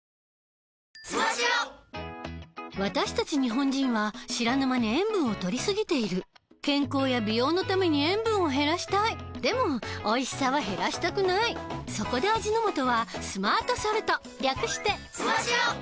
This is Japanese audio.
私たち日本人は知らぬ間に塩分をとりすぎている健康や美容のために塩分を減らしたいでもおいしさは減らしたくないそこで味の素は「スマートソルト」略して「スマ塩」！